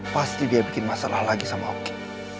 pasti dia bikin masalah lagi sama oki